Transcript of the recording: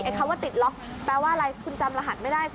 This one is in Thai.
คำว่าติดล็อกแปลว่าอะไรคุณจำรหัสไม่ได้